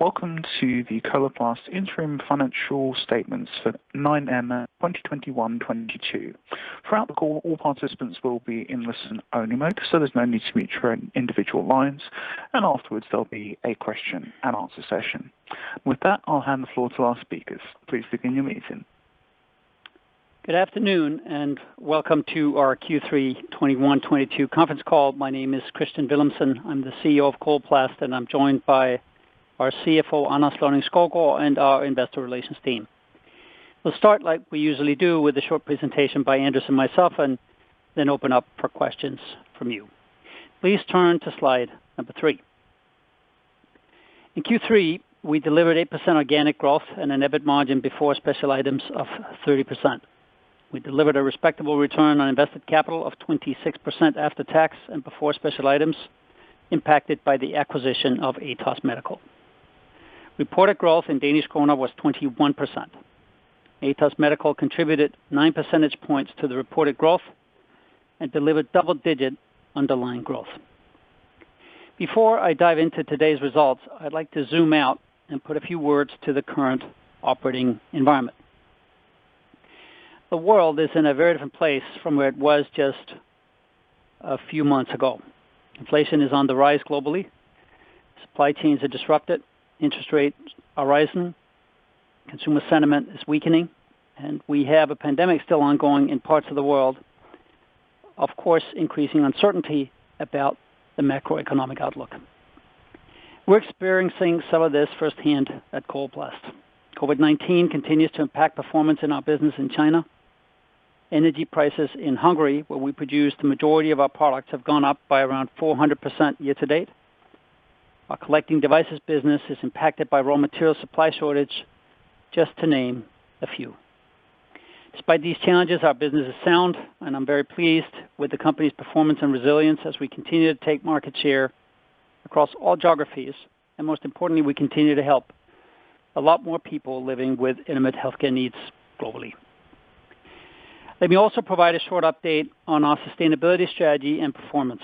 Welcome to the Coloplast Interim Financial Statements for 9M 2021-2022. Throughout the call, all participants will be in listen-only mode, so there's no need to mute your individual lines, and afterwards, there'll be a question-and-answer session. With that, I'll hand the floor to our speakers. Please begin your meeting. Good afternoon and welcome to our Q3 2021-2022 conference call. My name is Kristian Villumsen, I'm the CEO of Coloplast, and I'm joined by our CFO, Anders Lonning-Skovgaard, and our investor relations team. We'll start like we usually do with a short presentation by Anders and myself and then open up for questions from you. Please turn to slide number three. In Q3, we delivered 8% organic growth and an EBIT margin before special items of 30%. We delivered a respectable return on invested capital of 26% after tax and before special items impacted by the acquisition of Atos Medical. Reported growth in Danish kroner was 21%. Atos Medical contributed 9% points to the reported growth and delivered double-digit underlying growth. Before I dive into today's results, I'd like to zoom out and put a few words to the current operating environment. The world is in a very different place from where it was just a few months ago. Inflation is on the rise globally. Supply chains are disrupted. Interest rates are rising. Consumer sentiment is weakening. We have a pandemic still ongoing in parts of the world, of course, increasing uncertainty about the macroeconomic outlook. We're experiencing some of this firsthand at Coloplast. COVID-19 continues to impact performance in our business in China. Energy prices in Hungary, where we produce the majority of our products, have gone up by around 400% year to date. Our collecting devices business is impacted by raw material supply shortage, just to name a few. Despite these challenges, our business is sound, and I'm very pleased with the company's performance and resilience as we continue to take market share across all geographies, and most importantly, we continue to help a lot more people living with intimate healthcare needs globally. Let me also provide a short update on our sustainability strategy and performance.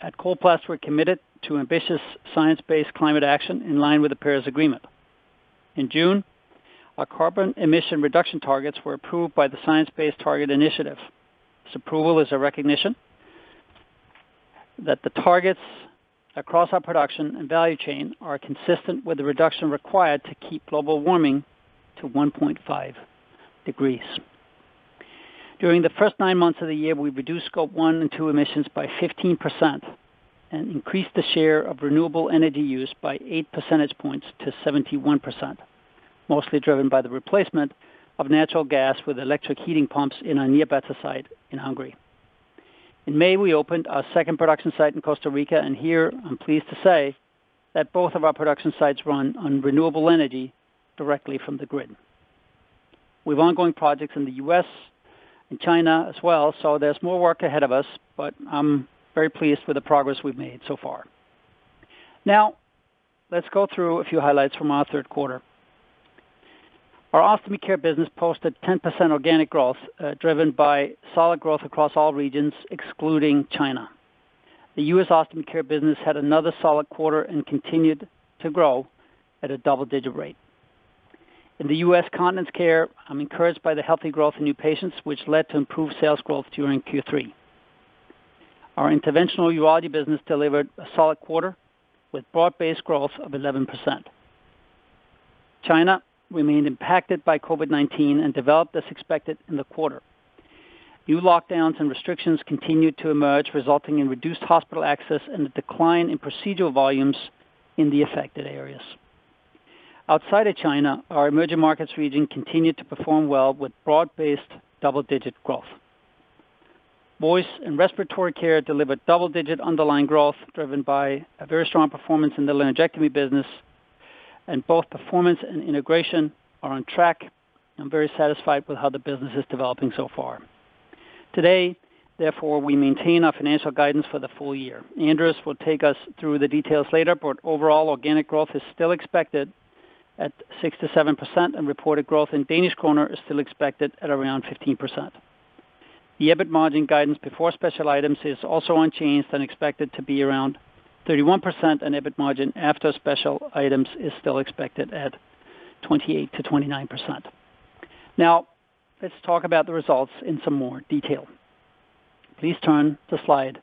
At Coloplast, we're committed to ambitious science-based climate action in line with the Paris Agreement. In June, our carbon emission reduction targets were approved by the Science Based Targets initiative. This approval is a recognition that the targets across our production and value chain are consistent with the reduction required to keep global warming to 1.5 degrees. During the first nine months of the year, we reduced Scope one and two emissions by 15% and increased the share of renewable energy used by 8% points to 71%, mostly driven by the replacement of natural gas with electric heating pumps in our Nyírbátor site in Hungary. In May, we opened our second production site in Costa Rica, and here I'm pleased to say that both of our production sites run on renewable energy directly from the grid. We have ongoing projects in the US and China as well, so there's more work ahead of us, but I'm very pleased with the progress we've made so far. Now, let's go through a few highlights from our third quarter. Our Ostomy Care business posted 10% organic growth, driven by solid growth across all regions, excluding China. The U.S. Ostomy Care business had another solid quarter and continued to grow at a double-digit rate. In the U.S. Continence Care, I'm encouraged by the healthy growth in new patients, which led to improved sales growth during Q3. Our Interventional Urology business delivered a solid quarter with broad-based growth of 11%. China remained impacted by COVID-19 and developed as expected in the quarter. New lockdowns and restrictions continued to emerge, resulting in reduced hospital access and a decline in procedural volumes in the affected areas. Outside of China, our emerging markets region continued to perform well with broad-based double-digit growth. Voice and Respiratory Care delivered double-digit underlying growth, driven by a very strong performance in the laryngectomy business, and both performance and integration are on track. I'm very satisfied with how the business is developing so far. Today, therefore, we maintain our financial guidance for the full- year. Anders will take us through the details later, but overall organic growth is still expected at 6%-7%, and reported growth in Danish kroner is still expected at around 15%. The EBIT margin guidance before special items is also unchanged and expected to be around 31%, and EBIT margin after special items is still expected at 28%-29%. Now, let's talk about the results in some more detail. Please turn to Slide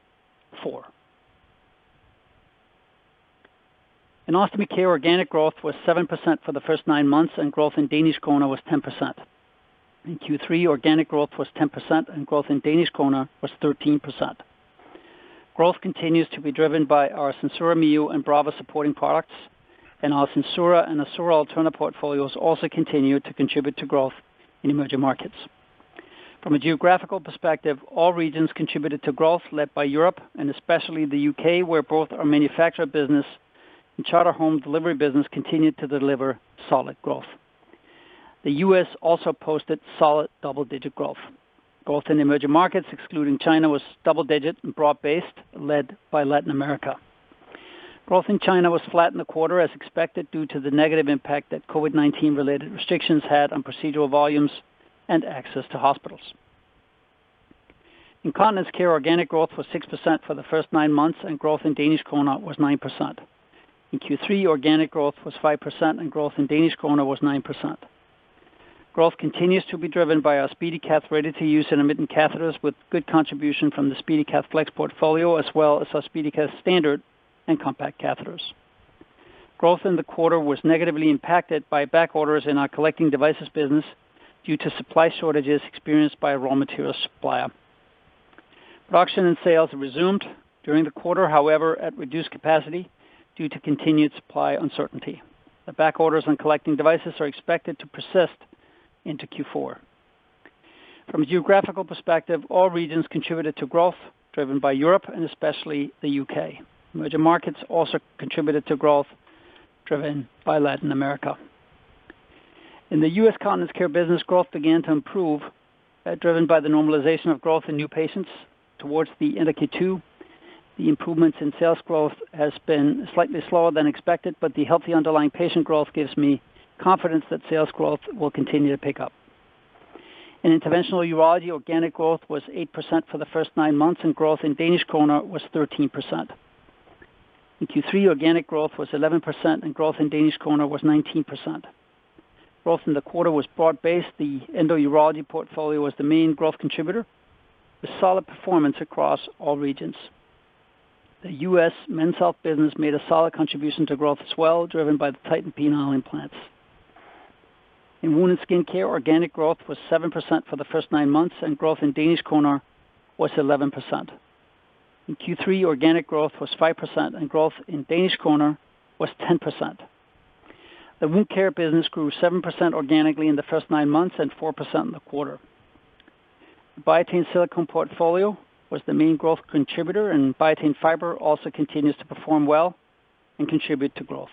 four. In Ostomy Care, organic growth was 7% for the first nine months, and growth in Danish kroner was 10%. In Q3, organic growth was 10%, and growth in Danish kroner was 13%. Growth continues to be driven by our SenSura Mio and Brava supporting products, and our SenSura and Assura Alterna portfolios also continue to contribute to growth in emerging markets. From a geographical perspective, all regions contributed to growth led by Europe and especially the UK, where both our manufacturing business and Charter home delivery business continued to deliver solid growth. The US also posted solid double-digit growth. Growth in emerging markets, excluding China, was double digit and broad-based, led by Latin America. Growth in China was flat in the quarter, as expected, due to the negative impact that COVID-19 related restrictions had on procedural volumes and access to hospitals. In Continence Care, organic growth was 6% for the first niine months, and growth in Danish kroner was 9%. In Q3, organic growth was 5%, and growth in Danish kroner was 9%. Growth continues to be driven by our SpeediCath ready-to-use intermittent catheters with good contribution from the SpeediCath Flex portfolio as well as our SpeediCath standard and compact catheters. Growth in the quarter was negatively impacted by back orders in our collecting devices business due to supply shortages experienced by a raw material supplier. Production and sales resumed during the quarter, however, at reduced capacity due to continued supply uncertainty. The back orders on collecting devices are expected to persist into Q4. From a geographical perspective, all regions contributed to growth driven by Europe and especially the U.K. Emerging markets also contributed to growth driven by Latin America. In the U.S. Continence Care business, growth began to improve, driven by the normalization of growth in new patients towards the end of Q2. The improvements in sales growth has been slightly slower than expected, but the healthy underlying patient growth gives me confidence that sales growth will continue to pick up. In Interventional Urology, organic growth was 8% for the first nine months, and growth in Danish kroner was 13%. In Q3, organic growth was 11% and growth in Danish kroner was 19%. Growth in the quarter was broad-based. The endourology portfolio was the main growth contributor with solid performance across all regions. The U.S. Men's Health business made a solid contribution to growth as well, driven by the Titan penile implants. In Wound and Skin Care, organic growth was 7% for the first nine months, and growth in Danish kroner was 11%. In Q3, organic growth was 5% and growth in Danish kroner was 10%. The wound care business grew 7% organically in the first nine months and 4% in the quarter. Biatain silicone portfolio was the main growth contributor, and Biatain Fiber also continues to perform well and contribute to growth.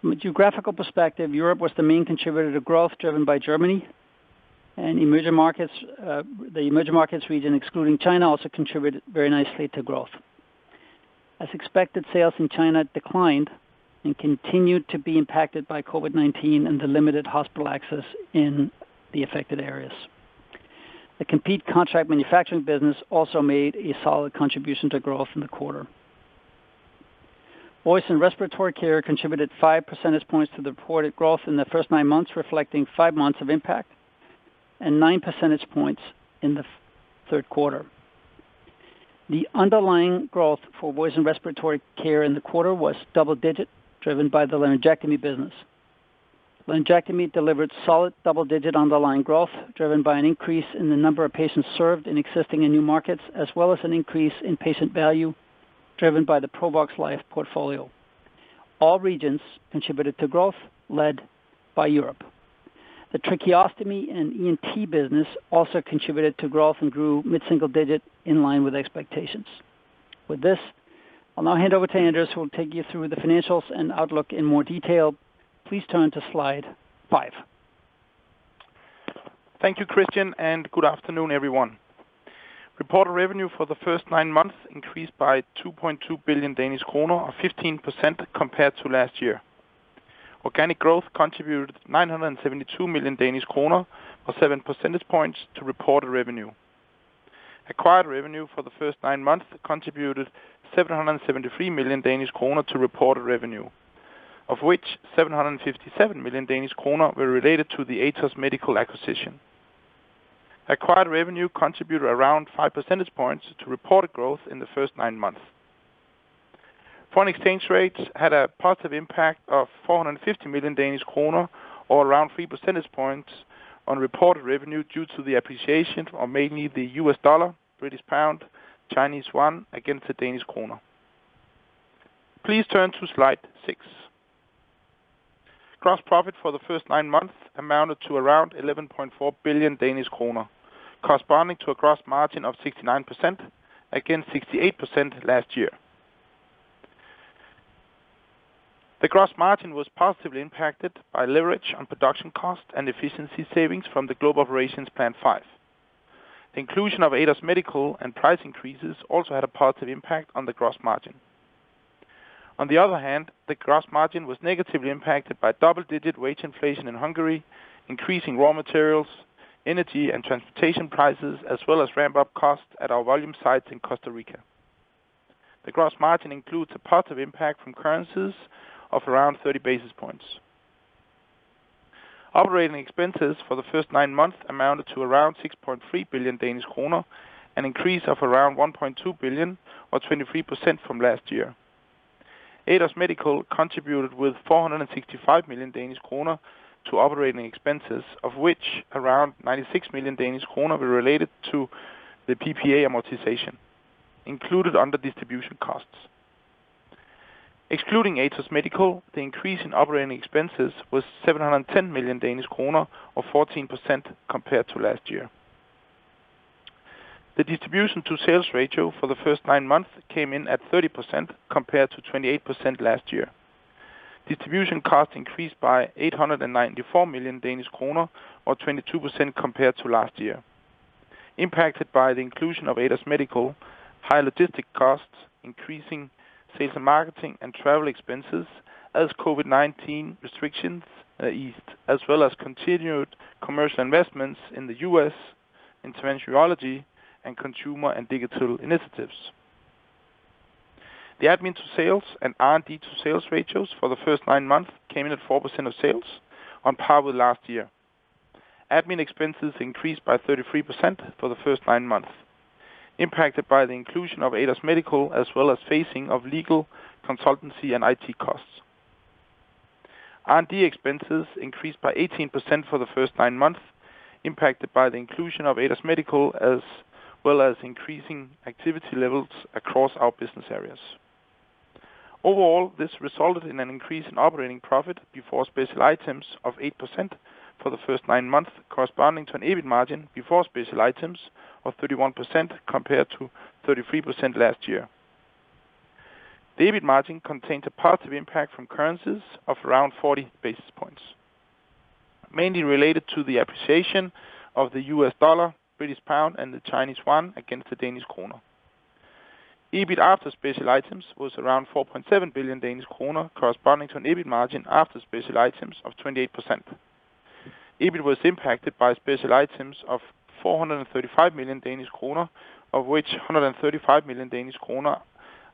From a geographical perspective, Europe was the main contributor to growth driven by Germany and emerging markets. The emerging markets region, excluding China, also contributed very nicely to growth. As expected, sales in China declined and continued to be impacted by COVID-19 and the limited hospital access in the affected areas. The Compeed contract manufacturing business also made a solid contribution to growth in the quarter. Voice and Respiratory Care contributed five percentage points to the reported growth in the first nine months, reflecting five months of impact and 9% points in the third quarter. The underlying growth for Voice and Respiratory Care in the quarter was double digit, driven by the laryngectomy business. Laryngectomy delivered solid double-digit underlying growth, driven by an increase in the number of patients served in existing and new markets, as well as an increase in patient value driven by the Provox Life portfolio. All regions contributed to growth led by Europe. The tracheostomy and ENT business also contributed to growth and grew mid-single digit in line with expectations. With this, I'll now hand over to Anders, who will take you through the financials and outlook in more detail. Please turn to slide five. Thank you, Kristian, and good afternoon, everyone. Reported revenue for the first nine months increased by 2.2 billion Danish kroner or 15% compared to last year. Organic growth contributed 972 million Danish kroner or 7% points to reported revenue. Acquired revenue for the first nine months contributed 773 million Danish kroner to reported revenue, of which 757 million Danish kroner were related to the Atos Medical acquisition. Acquired revenue contributed around 5 % points to reported growth in the first nine months. Foreign exchange rates had a positive impact of 450 million Danish kroner or around 3% points on reported revenue due to the appreciation of mainly the US dollar, British pound, Chinese yuan against the Danish kroner. Please turn to slide six. Gross profit for the first nine months amounted to around 11.4 billion Danish kroner, corresponding to a gross margin of 69% against 68% last year. The gross margin was positively impacted by leverage on production cost and efficiency savings from the Global Operations Plan five. The inclusion of Atos Medical and price increases also had a positive impact on the gross margin. On the other hand, the gross margin was negatively impacted by double-digit wage inflation in Hungary, increasing raw materials, energy and transportation prices, as well as ramp-up costs at our volume sites in Costa Rica. The gross margin includes a positive impact from currencies of around 30 bps. Operating expenses for the first nine months amounted to around 6.3 billion Danish kroner, an increase of around 1.2 billion or 23% from last year. Atos Medical contributed 465 million Danish kroner to operating expenses, of which around 96 million Danish kroner were related to the PPA amortization included under distribution costs. Excluding Atos Medical, the increase in operating expenses was 710 million Danish kroner or 14% compared to last year. The distribution to sales ratio for the first nine months came in at 30% compared to 28% last year. Distribution costs increased by 894 million Danish kroner or 22% compared to last year. Impacted by the inclusion of Atos Medical, high logistics costs, increasing sales and marketing and travel expenses as COVID-19 restrictions eased, as well as continued commercial investments in the U.S., Interventional Urology, and consumer and digital initiatives. The admin to sales and R&D to sales ratios for the first nine months came in at 4% of sales on par with last year. Admin expenses increased by 33% for the first nine months, impacted by the inclusion of Atos Medical as well as phasing of legal consultancy and IT costs. R&D expenses increased by 18% for the first nine months, impacted by the inclusion of Atos Medical as well as increasing activity levels across our business areas. Overall, this resulted in an increase in operating profit before special items of 8% for the first nine months, corresponding to an EBIT margin before special items of 31% compared to 33% last year. The EBIT margin contained a positive impact from currencies of around 40 bps, mainly related to the appreciation of the U.S. dollar, British pound, and the Chinese yuan against the Danish krone. EBIT after special items was around 4.7 billion Danish kroner, corresponding to an EBIT margin after special items of 28%. EBIT was impacted by special items of 435 million Danish kroner, of which 135 million Danish kroner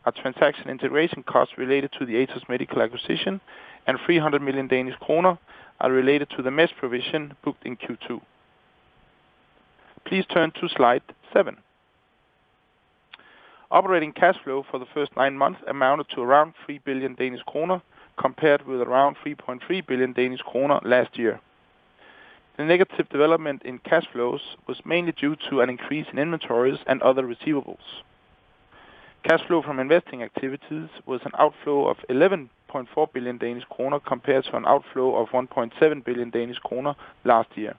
are transaction integration costs related to the Atos Medical acquisition, and 300 million Danish kroner are related to the mesh provision booked in Q2. Please turn to slide seven. Operating cash flow for the first 9 months amounted to around 3 billion Danish kroner compared with around 3.3 billion Danish kroner last year. The negative development in cash flows was mainly due to an increase in inventories and other receivables. Cash flow from investing activities was an outflow of 11.4 billion Danish kroner compared to an outflow of 1.7 billion Danish kroner last year,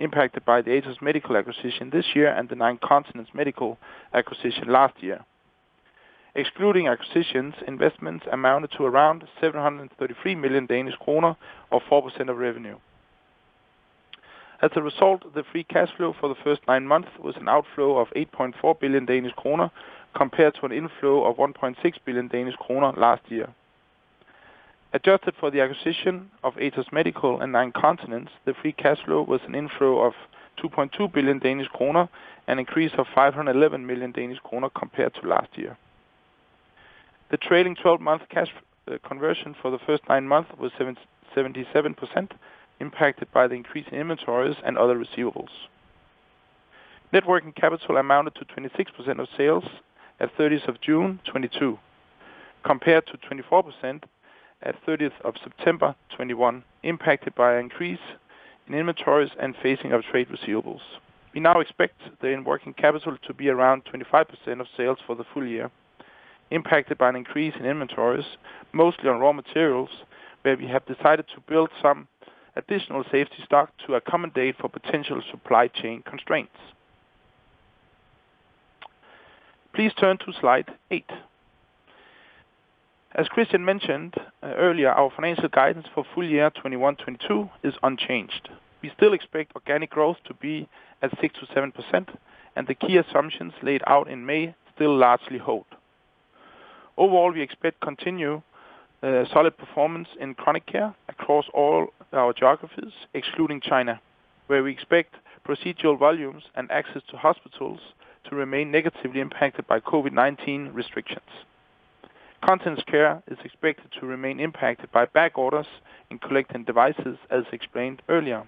impacted by the Atos Medical acquisition this year and the Nine Continents Medical acquisition last year. Excluding acquisitions, investments amounted to around 733 million Danish kroner or 4% of revenue. As a result, the free cash flow for the first nine months was an outflow of 8.4 billion Danish kroner compared to an inflow of 1.6 billion Danish kroner last year. Adjusted for the acquisition of Atos Medical and Nine Continents, the free cash flow was an inflow of 2.2 billion Danish kroner, an increase of 511 million Danish kroner compared to last year. The trailing twelve-month cash conversion for the first nine months was 77% impacted by the increase in inventories and other receivables. Net working capital amounted to 26% of sales at 13th of June 2022, compared to 24% at thirtieth of September 2021, impacted by an increase in inventories and phasing of trade receivables. We now expect the net working capital to be around 25% of sales for the full-year, impacted by an increase in inventories, mostly on raw materials, where we have decided to build some additional safety stock to accommodate for potential supply chain constraints. Please turn to slide eight. As Kristian mentioned earlier, our financial guidance for full- year 2021-2022 is unchanged. We still expect organic growth to be at 6%-7%, and the key assumptions laid out in May still largely hold. Overall, we expect continued solid performance in Chronic Care across all our geographies, excluding China, where we expect procedural volumes and access to hospitals to remain negatively impacted by COVID-19 restrictions. Continence Care is expected to remain impacted by back orders in collecting devices, as explained earlier.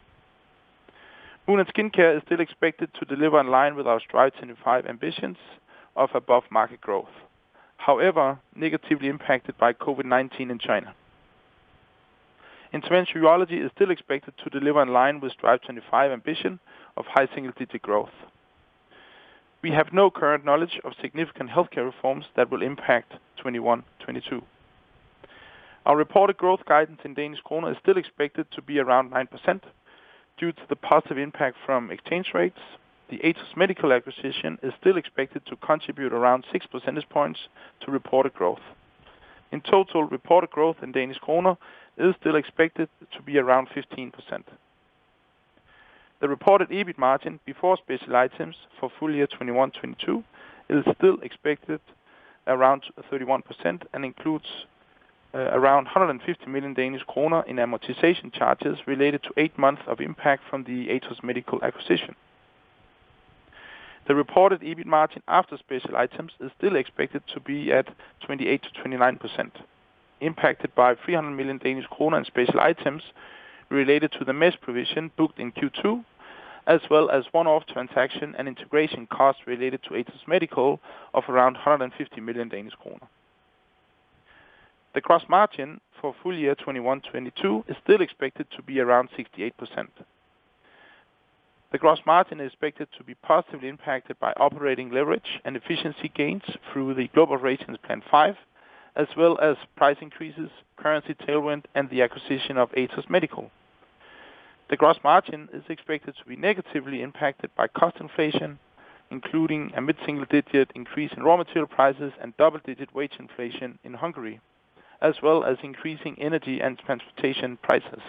Wound & Skin Care is still expected to deliver in line with our Strive25 ambitions of above market growth. However, negatively impacted by COVID-19 in China. Interventional Urology is still expected to deliver in line with Strive25 ambition of high single-digit growth. We have no current knowledge of significant healthcare reforms that will impact 2021-2022. Our reported growth guidance in Danish krone is still expected to be around 9% due to the positive impact from exchange rates. The Atos Medical acquisition is still expected to contribute around 6%points to reported growth. In total, reported growth in Danish krone is still expected to be around 15%. The reported EBIT margin before special items for full-year 2021-2022 is still expected around 31% and includes around 150 million Danish kroner in amortization charges related to eight months of impact from the Atos Medical acquisition. The reported EBIT margin after special items is still expected to be at 28%-29%, impacted by 300 million Danish kroner in special items related to the mesh provision booked in Q2, as well as one-off transaction and integration costs related to Atos Medical of around 150 million Danish kroner. The gross margin for full-year 2021-2022 is still expected to be around 68%. The gross margin is expected to be positively impacted by operating leverage and efficiency gains through the Global Operations Plan five, as well as price increases, currency tailwind, and the acquisition of Atos Medical. The gross margin is expected to be negatively impacted by cost inflation, including a mid-single digit increase in raw material prices and double-digit wage inflation in Hungary, as well as increasing energy and transportation prices.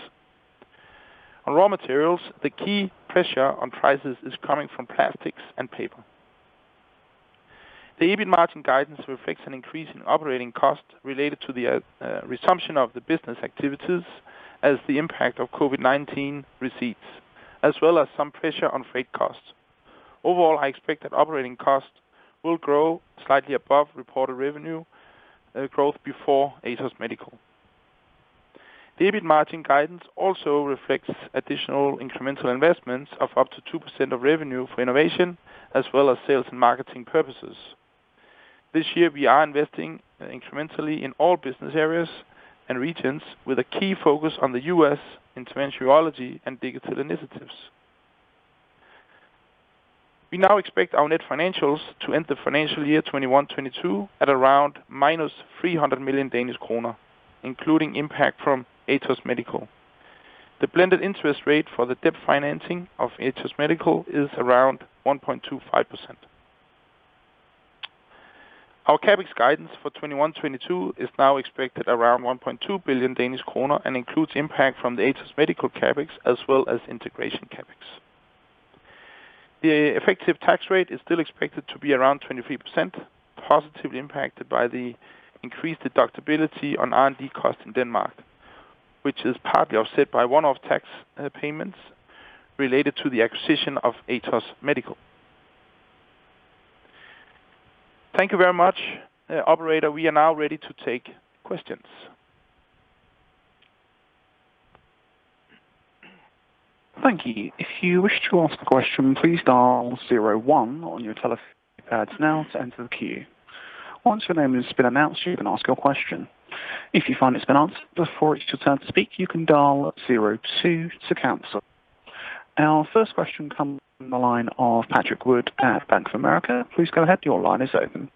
On raw materials, the key pressure on prices is coming from plastics and paper. The EBIT margin guidance reflects an increase in operating costs related to the resumption of the business activities as the impact of COVID-19 recedes, as well as some pressure on freight costs. Overall, I expect that operating costs will grow slightly above reported revenue growth before Atos Medical. The EBIT margin guidance also reflects additional incremental investments of up to 2% of revenue for innovation as well as sales and marketing purposes. This year, we are investing incrementally in all business areas and regions with a key focus on the U.S., interventional and digital initiatives. We now expect our net financials to end the financial year 2021-2022 at around -300 million Danish kroner, including impact from Atos Medical. The blended interest rate for the debt financing of Atos Medical is around 1.25%. Our CapEx guidance for 2021-2022 is now expected around 1.2 billion Danish kroner and includes impact from the Atos Medical CapEx as well as integration CapEx. The effective tax rate is still expected to be around 23%, positively impacted by the increased deductibility on R&D costs in Denmark, which is partly offset by one-off tax payments related to the acquisition of Atos Medical. Thank you very much. Operator, we are now ready to take questions. Thank you. If you wish to ask a question, please dial zero one on your telephone pads now to enter the queue. Once your name has been announced, you can ask your question. If you find it's been answered before it's your turn to speak, you can dial zero two to cancel. Our first question comes from the line of Patrick Wood at Bank of America. Please go ahead. Your line is open.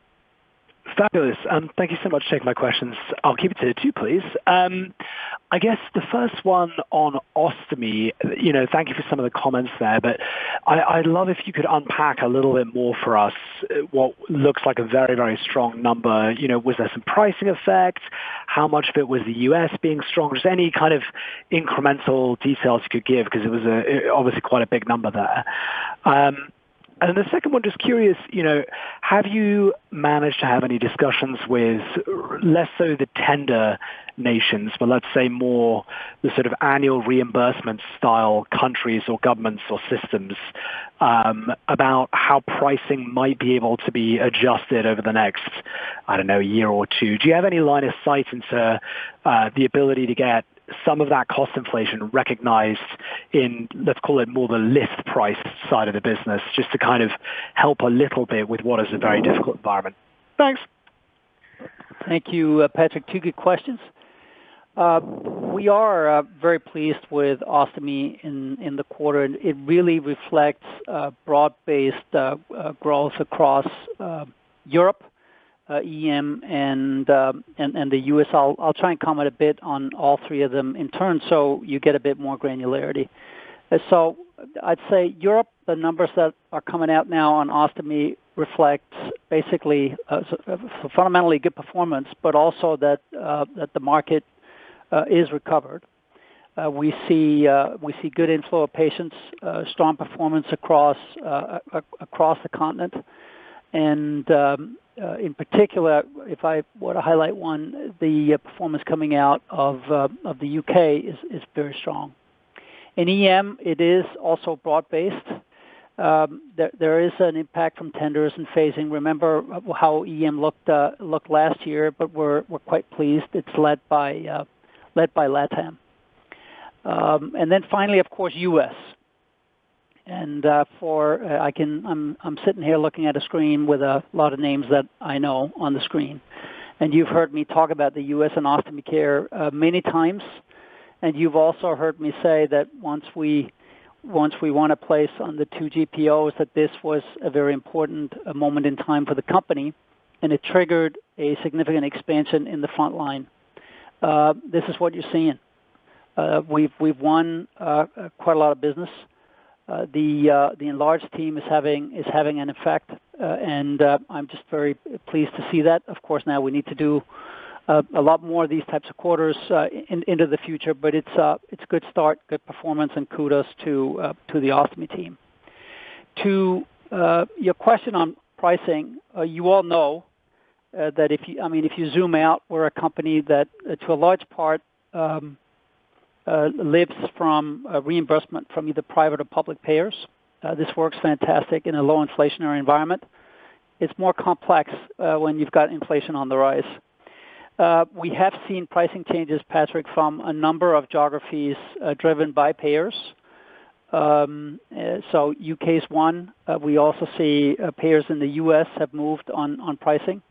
Fabulous. Thank you so much for taking my questions. I'll keep it to two, please. I guess the first one on Ostomy. You know, thank you for some of the comments there, but I'd love if you could unpack a little bit more for us what looks like a very, very strong number. You know, was there some pricing effect? How much of it was the U.S. being strong? Is there any kind of incremental details you could give? Because it was obviously quite a big number there. And then the second one, just curious, you know, have you managed to have any discussions with less so the tender nations, but let's say more the sort of annual reimbursement style countries or governments or systems, about how pricing might be able to be adjusted over the next, I don't know, year or two. Do you have any line of sight into the ability to get some of that cost inflation recognized in, let's call it more the list price side of the business, just to kind of help a little bit with what is a very difficult environment? Thanks. Thank you, Patrick. Two good questions. We are very pleased with Ostomy in the quarter. It really reflects broad-based growth across Europe, EM and the US. I'll try and comment a bit on all three of them in turn so you get a bit more granularity. I'd say Europe, the numbers that are coming out now on Ostomy reflects basically a fundamentally good performance, but also that the market is recovered. We see good inflow of patients, strong performance across the continent. In particular, if I were to highlight one, the performance coming out of the UK is very strong. In EM, it is also broad-based. There is an impact from tenders and phasing. Remember how EM looked last year, but we're quite pleased. It's led by LATAM. Finally, of course, US. I'm sitting here looking at a screen with a lot of names that I know on the screen. You've heard me talk about the US and Ostomy Care many times. You've also heard me say that once we won a place on the two GPOs, that this was a very important moment in time for the company, and it triggered a significant expansion in the front line. This is what you're seeing. We've won quite a lot of business. The enlarged team is having an effect, and I'm just very pleased to see that. Of course, now we need to do a lot more of these types of quarters into the future. It's a good start, good performance, and kudos to the Ostomy team. To your question on pricing, you all know that I mean, if you zoom out, we're a company that, to a large part, lives from a reimbursement from either private or public payers. This works fantastic in a low inflationary environment. It's more complex when you've got inflation on the rise. We have seen pricing changes, Patrick, from a number of geographies driven by payers. UK is one. We also see payers in the US have moved on pricing.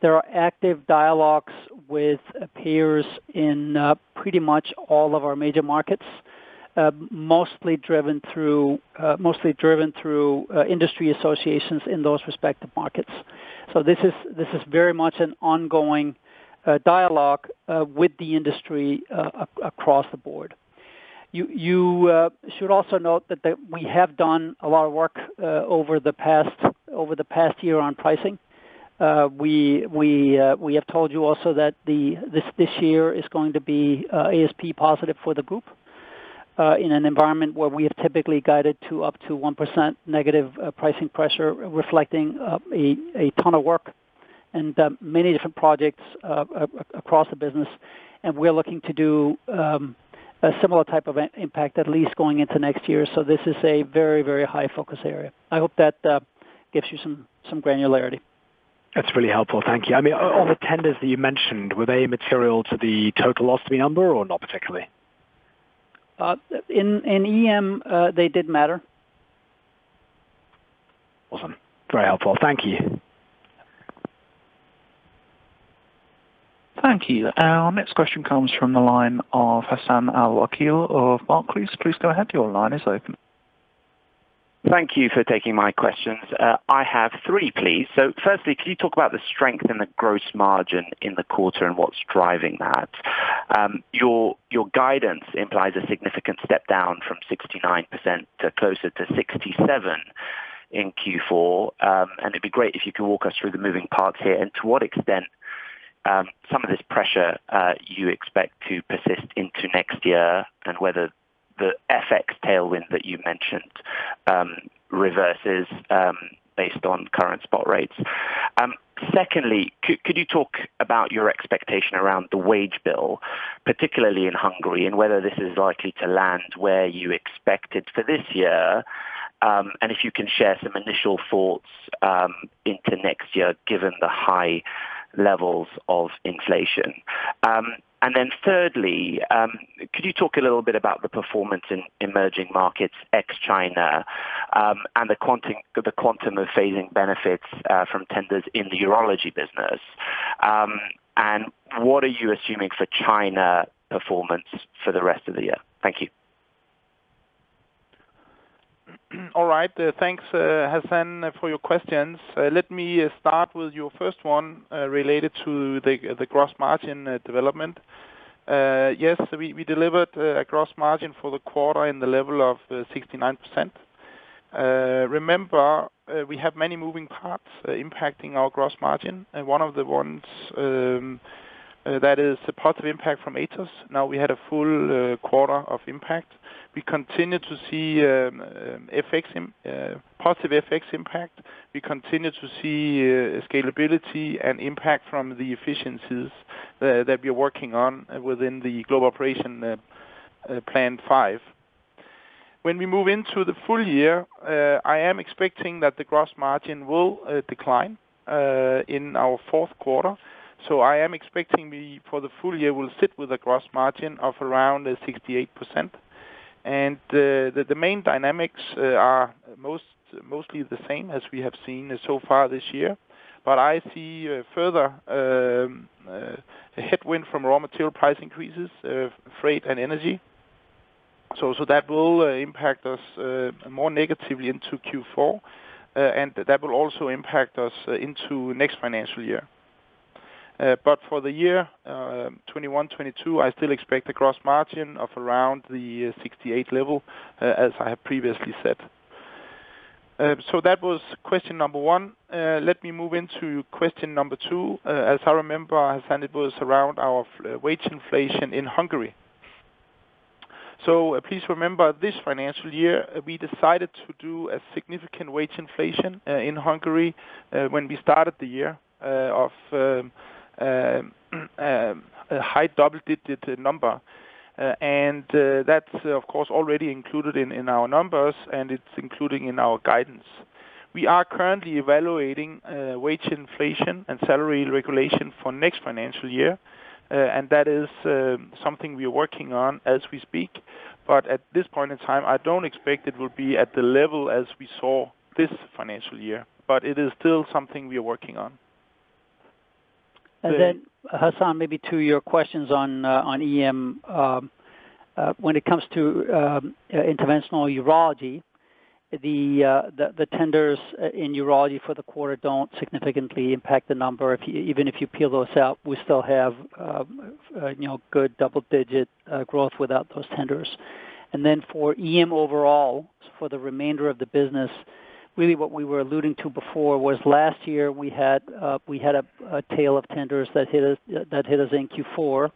There are active dialogues with payers in pretty much all of our major markets, mostly driven through industry associations in those respective markets. This is very much an ongoing dialogue with the industry across the board. You should also note that we have done a lot of work over the past year on pricing. We have told you also that this year is going to be ASP positive for the group in an environment where we have typically guided to up to -1% pricing pressure, reflecting a ton of work and many different projects across the business. We're looking to do a similar type of impact, at least going into next year. This is a very, very high focus area. I hope that gives you some granularity. That's really helpful. Thank you. I mean, all the tenders that you mentioned, were they material to the total Ostomy number, or not particularly? In EM, they did matter. Awesome. Very helpful. Thank you. Thank you. Our next question comes from the line of Hassan Al-Wakeel of Barclays. Please go ahead. Your line is open. Thank you for taking my questions. I have three, please. Firstly, can you talk about the strength in the gross margin in the quarter and what's driving that? Your guidance implies a significant step down from 69% to closer to 67% in Q4. It'd be great if you could walk us through the moving parts here and to what extent some of this pressure you expect to persist into next year and whether the FX tailwind that you mentioned reverses based on current spot rates. Secondly, could you talk about your expectation around the wage bill, particularly in Hungary, and whether this is likely to land where you expected for this year? If you can share some initial thoughts into next year, given the high levels of inflation. Thirdly, could you talk a little bit about the performance in emerging markets ex China, and the quantum of phasing benefits from tenders in the urology business? What are you assuming for China performance for the rest of the year? Thank you. All right. Thanks, Hassan, for your questions. Let me start with your first one, related to the gross margin development. Yes, we delivered a gross margin for the quarter in the level of 69%. Remember, we have many moving parts impacting our gross margin, and one of the ones that is a positive impact from Atos. Now, we had a full quarter of impact. We continue to see positive FX impact. We continue to see scalability and impact from the efficiencies that we're working on within the Global Operations Plan five. When we move into the full-year, I am expecting that the gross margin will decline in our fourth quarter. I am expecting, for the full-year, we'll sit with a gross margin of around 68%. The main dynamics are mostly the same as we have seen so far this year. I see a further headwind from raw material price increases, freight and energy. That will impact us more negatively into Q4, and that will also impact us into next financial year. For the year 2021, 2022, I still expect a gross margin of around the 68 level, as I have previously said. That was question number one. Let me move into question number two. As I remember, Hassan, it was around our wage inflation in Hungary. Please remember this financial year, we decided to do a significant wage inflation in Hungary when we started the year of a high double-digit number. That's, of course, already included in our numbers, and it's included in our guidance. We are currently evaluating wage inflation and salary regulation for next financial year, and that is something we're working on as we speak. At this point in time, I don't expect it will be at the level as we saw this financial year. It is still something we are working on. Hassan, maybe to your questions on EM. When it comes to Interventional Urology, the tenders in urology for the quarter don't significantly impact the number. Even if you peel those out, we still have, you know, good double-digit growth without those tenders. For EM overall, for the remainder of the business, really what we were alluding to before was last year, we had a tail of tenders that hit us in Q4,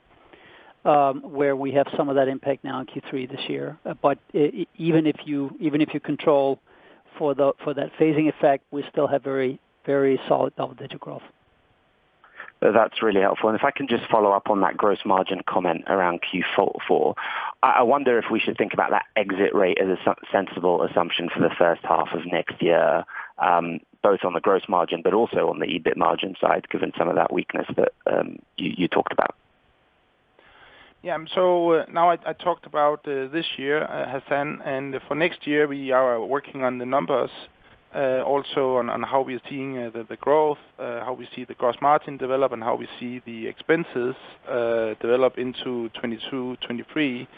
where we have some of that impact now in Q3 this year. But even if you control for that phasing effect, we still have very solid double-digit growth. That's really helpful. If I can just follow up on that gross margin comment around Q4. I wonder if we should think about that exit rate as a sensible assumption for the first half of next year, both on the gross margin but also on the EBIT margin side, given some of that weakness that you talked about. Yeah. Now I talked about this year, Hassan, and for next year, we are working on the numbers, also on how we are seeing the growth, how we see the gross margin develop, and how we see the expenses develop into 2022, 2023.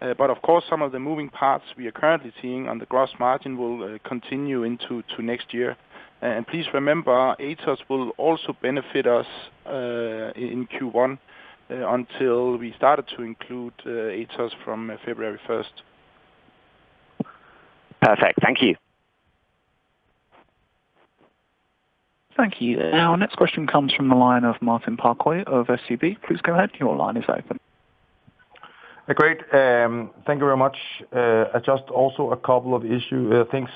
Of course, some of the moving parts we are currently seeing on the gross margin will continue into next year. Please remember, Atos will also benefit us in Q1 until we started to include Atos from February 1st. Perfect. Thank you. Thank you. Our next question comes from the line of Martin Parkhøi of SEB. Please go ahead. Your line is open. Great. Thank you very much. Just also a couple of issues, things.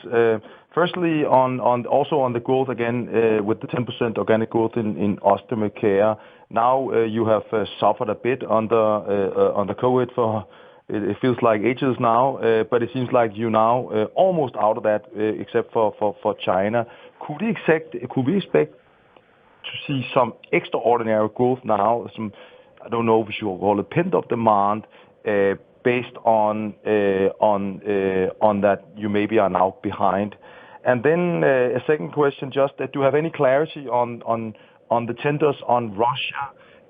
Firstly, on the growth again, with the 10% organic growth in Ostomy Care. Now, you have suffered a bit under COVID for it. It feels like ages now, but it seems like you now are almost out of that, except for China. Could we expect to see some extraordinary growth now? Some, I don't know if you will call it pent-up demand, based on that you maybe are now behind. A second question, just that do you have any clarity on the tenders on Russia?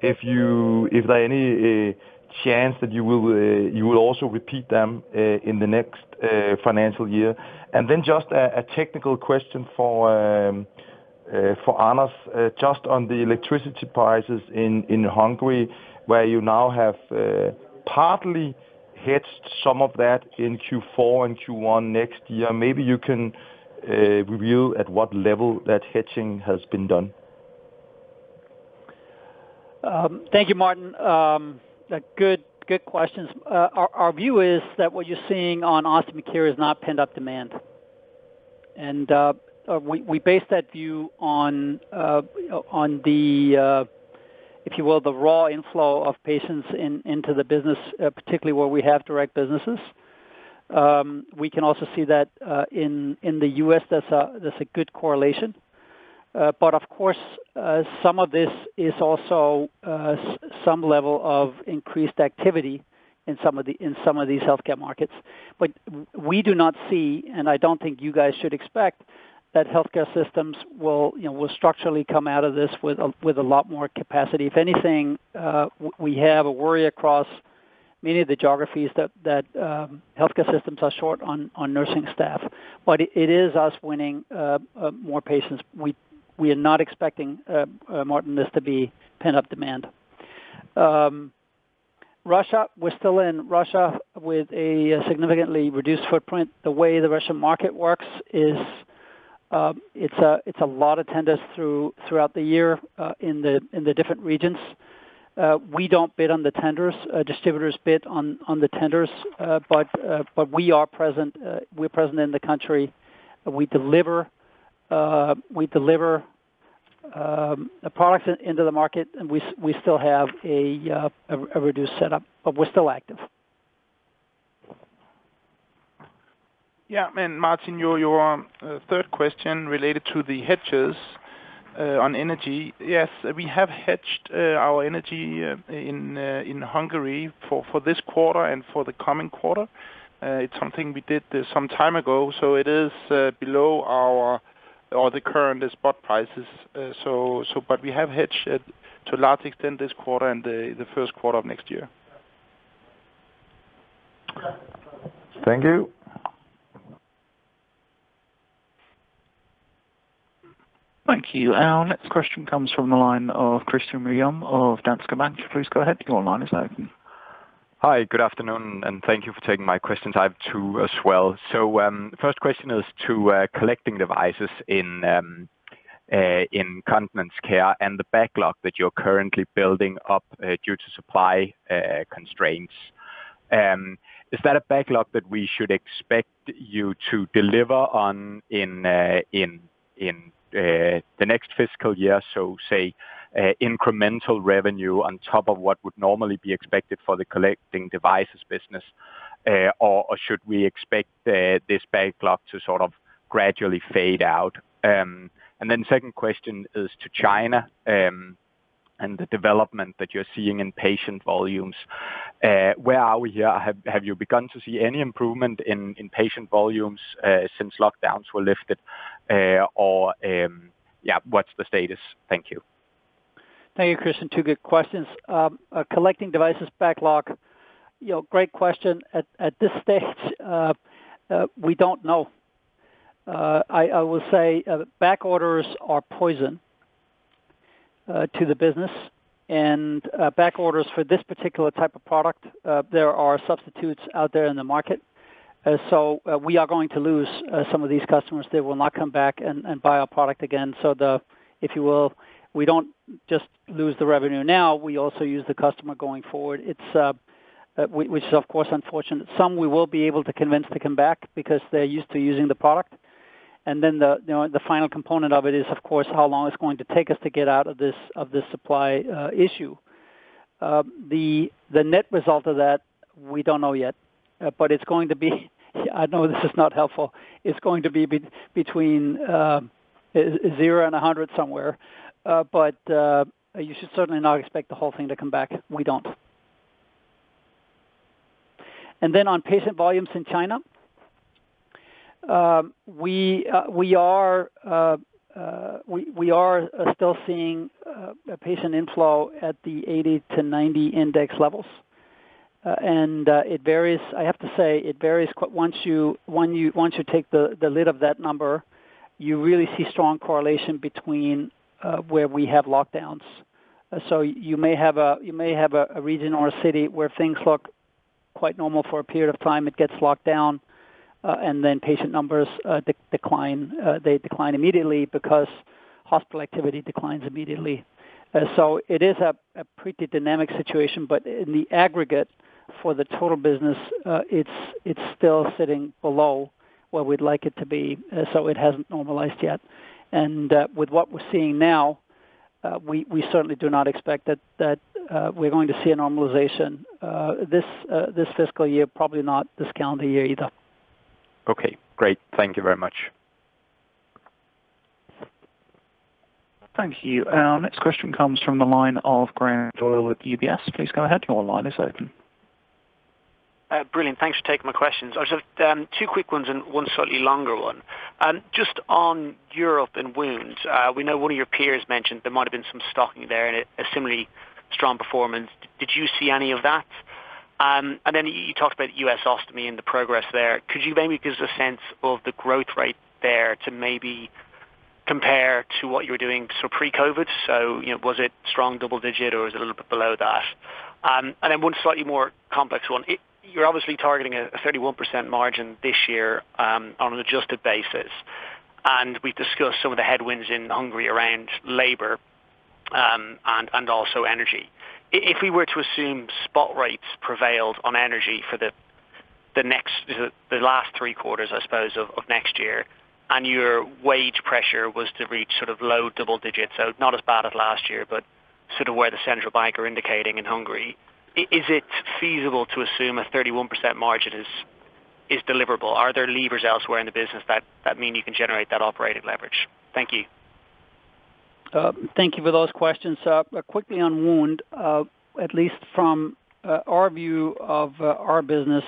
Is there any chance that you will also repeat them in the next financial year? Then just a technical question for Anders just on the electricity prices in Hungary, where you now have partly hedged some of that in Q4 and Q1 next year. Maybe you can review at what level that hedging has been done. Thank you, Martin. Good questions. Our view is that what you're seeing on Ostomy Care is not pent-up demand. We base that view on, if you will, the raw inflow of patients into the business, particularly where we have direct businesses. We can also see that, in the U.S. that's a good correlation. Of course, some of this is also some level of increased activity in some of these healthcare markets. We do not see, and I don't think you guys should expect, that healthcare systems will, you know, structurally come out of this with a lot more capacity. If anything, we have a worry across many of the geographies that healthcare systems are short on nursing staff. It is us winning more patients. We are not expecting, Martin, this to be pent-up demand. Russia, we're still in Russia with a significantly reduced footprint. The way the Russian market works is, it's a lot of tenders throughout the year in the different regions. We don't bid on the tenders. Distributors bid on the tenders. We are present. We're present in the country, and we deliver products into the market, and we still have a reduced setup, but we're still active. Martin, your third question related to the hedges on energy. Yes, we have hedged our energy in Hungary for this quarter and for the coming quarter. It's something we did some time ago, so it is below our or the current spot prices. So but we have hedged to a large extent this quarter and the first quarter of next year. Thank you. Thank you. Our next question comes from the line of Christian Ryom of Danske Bank. Please go ahead. Your line is open. Hi. Good afternoon, and thank you for taking my question. I have two as well. First question is to collecting devices in Continence Care and the backlog that you're currently building up due to supply constraints. Is that a backlog that we should expect you to deliver on in the next fiscal year? Say, incremental revenue on top of what would normally be expected for the collecting devices business, or should we expect this backlog to sort of gradually fade out? Then second question is to China and the development that you're seeing in patient volumes. Where are we here? Have you begun to see any improvement in patient volumes since lockdowns were lifted? Or, yeah. What's the status? Thank you. Thank you, Cristian. Two good questions. Collecting devices backlog, you know, great question. At this stage, we don't know. I will say, back orders are poison to the business and back orders for this particular type of product, there are substitutes out there in the market. So we are going to lose some of these customers. They will not come back and buy our product again. So if you will, we don't just lose the revenue now, we also lose the customer going forward. It's which is of course unfortunate. Some we will be able to convince to come back because they're used to using the product. The final component of it is, of course, how long it's going to take us to get out of this supply issue. The net result of that, we don't know yet. It's going to be, I know this is not helpful. It's going to be between 0 and 100 somewhere. You should certainly not expect the whole thing to come back. We don't. On patient volumes in China, we are still seeing patient inflow at the 80-90 index levels. It varies. I have to say it varies quite once you take the lid off that number, you really see strong correlation between where we have lockdowns. So you may have a region or a city where things look quite normal for a period of time. It gets locked down, and then patient numbers decline, they decline immediately because hospital activity declines immediately. So it is a pretty dynamic situation, but in the aggregate for the total business, it's still sitting below where we'd like it to be, so it hasn't normalized yet. With what we're seeing now, we certainly do not expect that we're going to see a normalization this fiscal year, probably not this calendar year either. Okay, great. Thank you very much. Thank you. Our next question comes from the line of Graham Doyle with UBS. Please go ahead, your line is open. Brilliant, thanks for taking my questions. I just have two quick ones and one slightly longer one. Just on Europe and wounds, we know one of your peers mentioned there might have been some stocking there and a similarly strong performance. Did you see any of that? Then you talked about U.S. Ostomy and the progress there. Could you maybe give us a sense of the growth rate there to maybe compare to what you were doing so pre-COVID? You know, was it strong double digit or was it a little bit below that? Then one slightly more complex one. You're obviously targeting a 31% margin this year on an adjusted basis. We've discussed some of the headwinds in Hungary around labor and also energy. If we were to assume spot rates prevailed on energy for the next three quarters of next year, and your wage pressure was to reach sort of low double-digits, so not as bad as last year, but sort of where the central bank are indicating in Hungary, is it feasible to assume a 31% margin is deliverable? Are there levers elsewhere in the business that mean you can generate that operating leverage? Thank you. Thank you for those questions. Quickly on Wound Care, at least from our view of our business,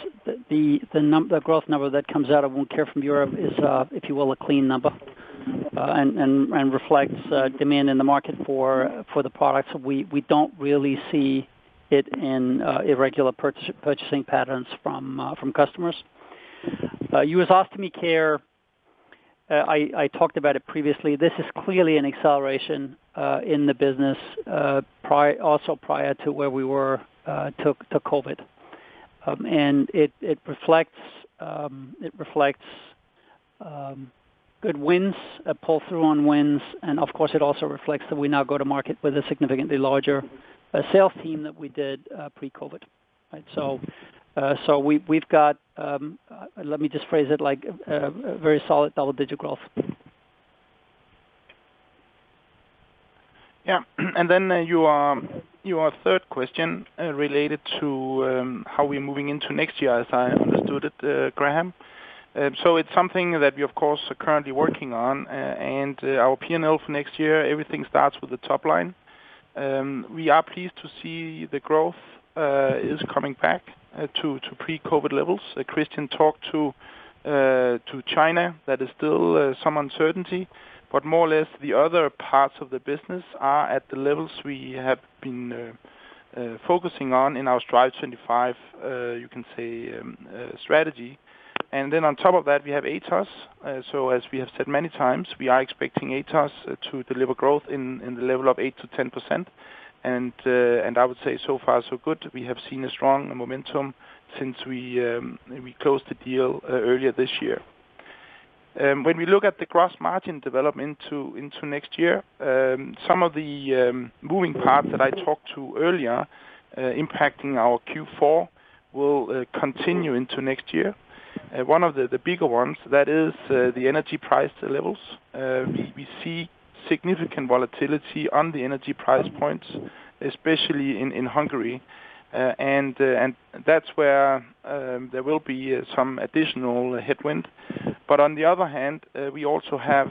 the growth number that comes out of Wound Care from Europe is, if you will, a clean number and reflects demand in the market for the products. We don't really see it in irregular purchasing patterns from customers. U.S. Ostomy Care, I talked about it previously. This is clearly an acceleration in the business, also prior to where we were to COVID. It reflects good wins, a pull-through on wins, and of course it also reflects that we now go to market with a significantly larger sales team than we did pre-COVID, right? We've got, let me just phrase it like, a very solid double-digit growth. Your third question related to how we're moving into next year, as I understood it, Graham. It's something that we of course are currently working on, and our P&L for next year, everything starts with the top line. We are pleased to see the growth is coming back to pre-COVID levels. Kristian talked to China, there is still some uncertainty, but more or less the other parts of the business are at the levels we have been focusing on in our Strive25, you can say, strategy. On top of that, we have Atos. As we have said many times, we are expecting Atos to deliver growth in the level of 8%-10%. I would say so far so good. We have seen a strong momentum since we closed the deal earlier this year. When we look at the gross margin development into next year, some of the moving parts that I talked about earlier, impacting our Q4 will continue into next year. One of the bigger ones, that is, the energy price levels. We see significant volatility on the energy price points, especially in Hungary. That's where there will be some additional headwind. But on the other hand, we also have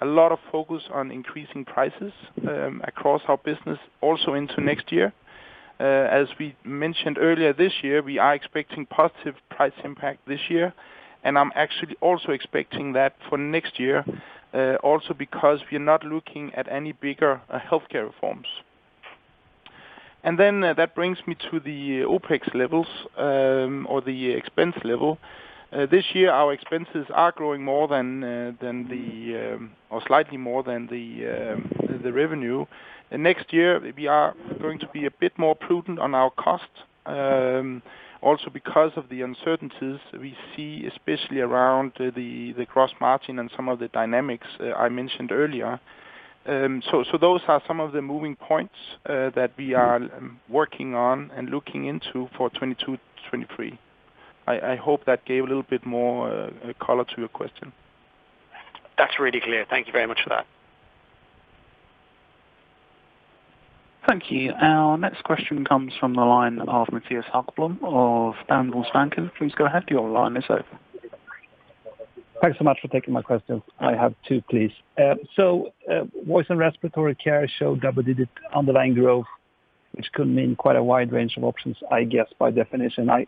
a lot of focus on increasing prices across our business also into next year. As we mentioned earlier this year, we are expecting positive price impact this year. I'm actually also expecting that for next year, also because we are not looking at any bigger healthcare reforms. That brings me to the OpEx levels, or the expense level. This year our expenses are growing slightly more than the revenue. Next year, we are going to be a bit more prudent on our costs, also because of the uncertainties we see, especially around the gross margin and some of the dynamics I mentioned earlier. So those are some of the moving points that we are working on and looking into for 2022-2023. I hope that gave a little bit more color to your question. That's really clear. Thank you very much for that. Thank you. Our next question comes from the line of Mattias Häggblom of Handelsbanken. Please go ahead. Your line is open. Thanks so much for taking my question. I have two, please. Voice & Respiratory Care showed double-digit underlying growth, which could mean quite a wide range of options, I guess, by definition. I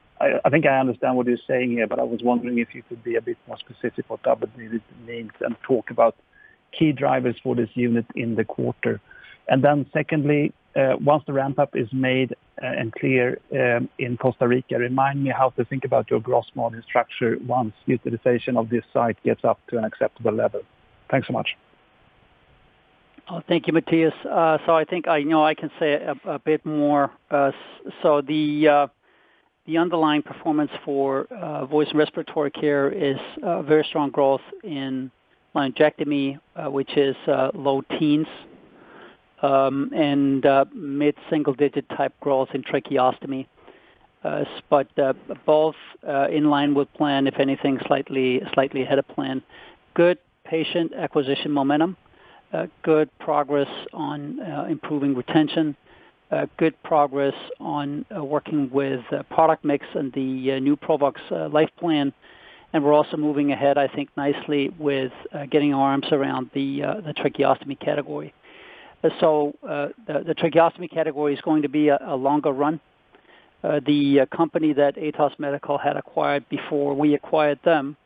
think I understand what you're saying here, but I was wondering if you could be a bit more specific what double-digits means and talk about key drivers for this unit in the quarter. Then secondly, once the ramp-up is made, and clear, in Costa Rica, remind me how to think about your gross margin structure once utilization of this site gets up to an acceptable level. Thanks so much. Oh, thank you, Mattias. I think I know I can say a bit more. The underlying performance for Voice and Respiratory Care is very strong growth in laryngectomy, which is low teens, and mid-single-digit type growth in tracheostomy. Both in line with plan, if anything, slightly ahead of plan. Good patient acquisition momentum, good progress on improving retention, good progress on working with product mix and the new Provox Life plan. We're also moving ahead, I think, nicely with getting our arms around the tracheostomy category. The tracheostomy category is going to be a longer run. The company that Atos Medical had acquired before we acquired them,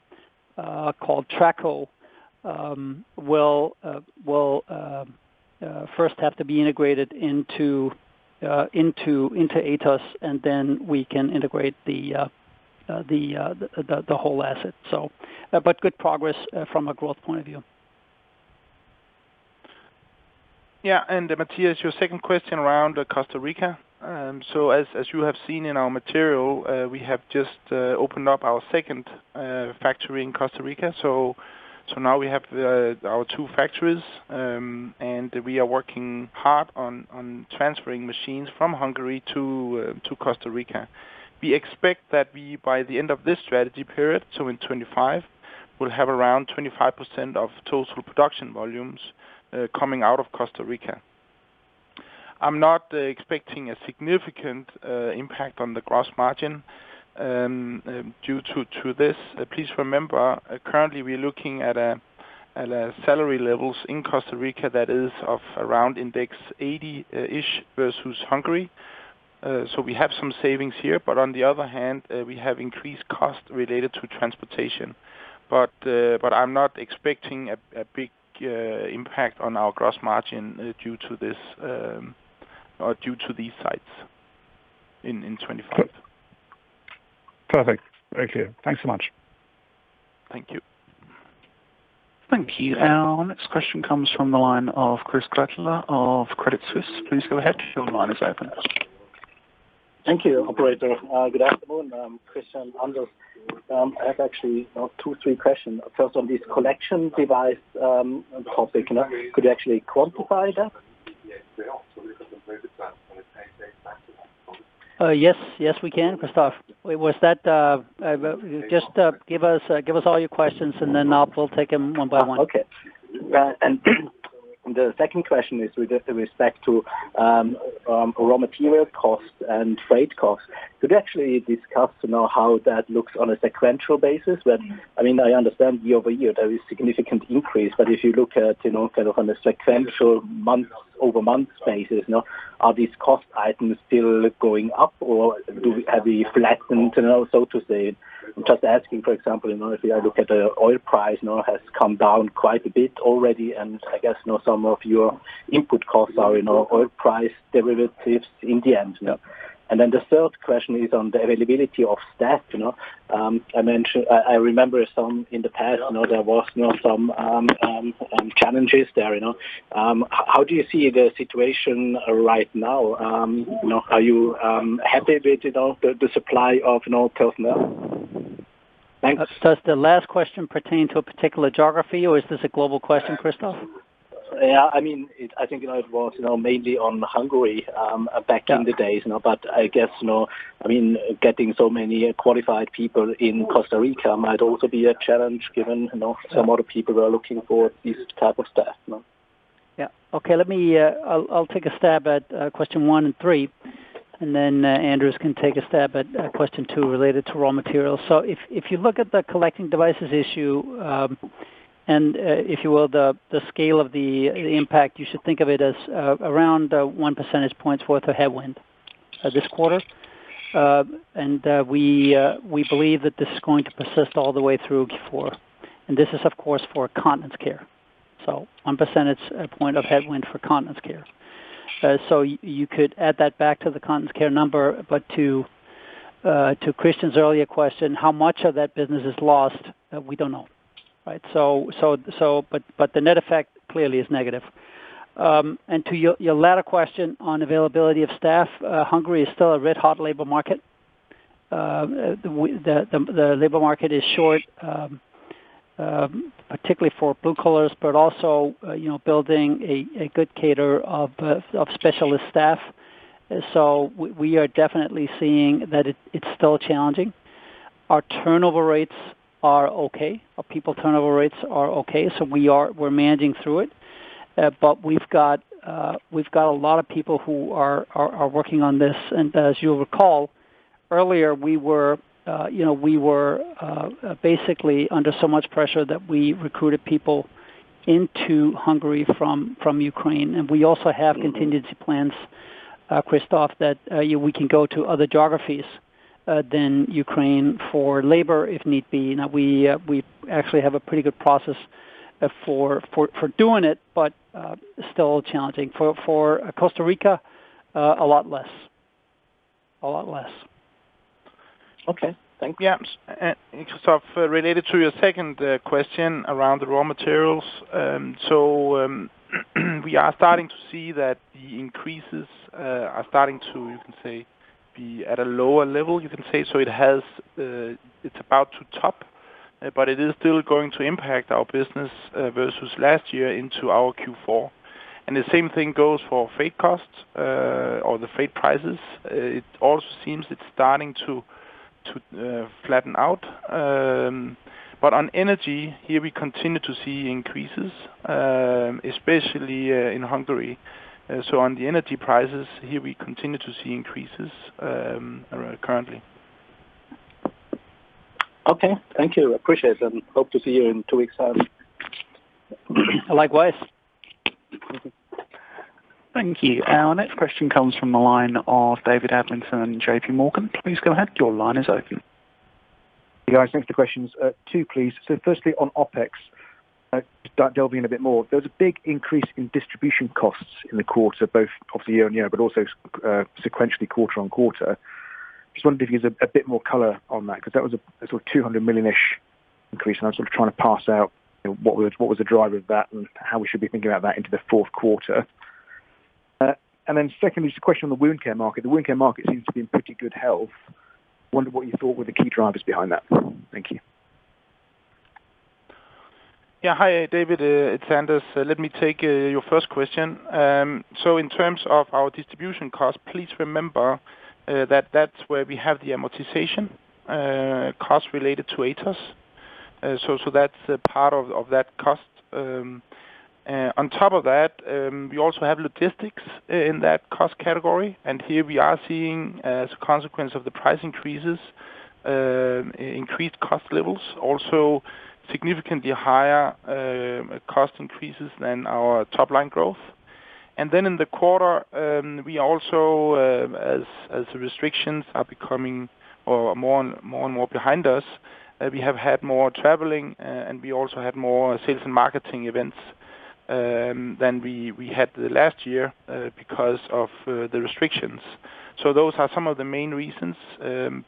called Tracoe, will first have to be integrated into Atos, and then we can integrate the whole asset. Good progress from a growth point of view. Yeah. Mattias, your second question around Costa Rica. So as you have seen in our material, we have just opened up our second factory in Costa Rica. So now we have our two factories, and we are working hard on transferring machines from Hungary to Costa Rica. We expect that by the end of this strategy period, so in 2025, we will have around 25% of total production volumes coming out of Costa Rica. I'm not expecting a significant impact on the gross margin due to this. Please remember, currently we're looking at salary levels in Costa Rica that is of around index 80-ish versus Hungary. So we have some savings here, but on the other hand, we have increased costs related to transportation. I'm not expecting a big impact on our gross margin due to this or due to these sites in 25. Perfect. Thank you. Thanks so much. Thank you. Thank you. Our next question comes from the line of Christoph Gretler of Credit Suisse. Please go ahead. Your line is open. Thank you, operator. Good afternoon. I'm Christoph Gretler. I have actually two, three questions. First, on this collecting devices topic, could you actually quantify that? Yes. Yes, we can, Christoph. Just give us all your questions, and then we'll take them one by one. Okay. The second question is with respect to raw material costs and freight costs. Could you actually discuss, you know, how that looks on a sequential basis? I mean, I understand year-over-year there is significant increase, but if you look at, you know, kind of on a sequential month-over-month basis, you know, are these cost items still going up or have we flattened, you know, so to say? I'm just asking, for example, you know, if you look at the oil price, you know, has come down quite a bit already, and I guess, you know, some of your input costs are, you know, oil price derivatives in the end, you know. Then the third question is on the availability of staff, you know. I remember some in the past, you know, there was, you know, some challenges there, you know. How do you see the situation right now? You know, are you happy with the supply of personnel? Thanks. Does the last question pertain to a particular geography, or is this a global question, Christoph? Yeah, I mean, I think, you know, it was, you know, mainly on Hungary, back in the days, you know. I guess, you know, I mean, getting so many qualified people in Costa Rica might also be a challenge given, you know, some other people are looking for this type of staff, no? Yeah. Okay. Let me, I'll take a stab at question one and three, and then Anders can take a stab at question two related to raw materials. If you look at the collecting devices issue, and if you will, the scale of the impact, you should think of it as around 1% point worth of headwind this quarter. We believe that this is going to persist all the way through before. This is of course for Continence Care. 1% point of headwind for Continence Care. You could add that back to the Continence Care number. To Christian's earlier question, how much of that business is lost, we don't know, right? The net effect clearly is negative. To your latter question on availability of staff, Hungary is still a red-hot labor market. The labor market is short, particularly for blue collars, but also, you know, building a good cadre of specialist staff. We are definitely seeing that it is still challenging. Our turnover rates are okay. Our people turnover rates are okay, so we're managing through it. But we've got a lot of people who are working on this. As you'll recall, earlier we were, you know, basically under so much pressure that we recruited people into Hungary from Ukraine. We also have contingency plans, Christoph, that we can go to other geographies than Ukraine for labor if need be. We actually have a pretty good process for doing it, but still challenging. For Costa Rica, a lot less. Okay. Thank you. Yeah. Christoph, related to your second question around the raw materials. We are starting to see that the increases are starting to, you can say, be at a lower level, you can say. It's about to top, but it is still going to impact our business versus last year into our Q4. The same thing goes for freight costs, or the freight prices. It also seems it's starting to flatten out. But on energy, here we continue to see increases, especially in Hungary. On the energy prices, here we continue to see increases, currently. Okay. Thank you. Appreciate it, and hope to see you in two weeks time. Likewise. Thank you. Our next question comes from the line of David Adlington, JP Morgan. Please go ahead. Your line is open. Yeah, thanks for the questions. Two, please. Firstly on OpEx, delving a bit more. There was a big increase in distribution costs in the quarter, both off the year-over-year, but also sequentially quarter-over-quarter. Just wondered if you could give a bit more color on that because that was a sort of +200 million-ish, and I was sort of trying to parse out what was the driver of that and how we should be thinking about that into the fourth quarter. And then secondly, just a question on the wound care market. The wound care market seems to be in pretty good health. Wonder what you thought were the key drivers behind that. Thank you. Yeah. Hi, David. It's Anders. Let me take your first question. In terms of our distribution cost, please remember that that's where we have the amortization cost related to Atos. That's a part of that cost. On top of that, we also have logistics in that cost category. Here we are seeing, as a consequence of the price increases, increased cost levels, also significantly higher cost increases than our top line growth. Then in the quarter, we also, as the restrictions are becoming more and more behind us, we have had more traveling, and we also had more sales and marketing events than we had last year, because of the restrictions. Those are some of the main reasons,